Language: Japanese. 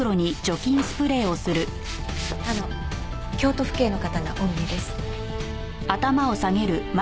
あの京都府警の方がお見えです。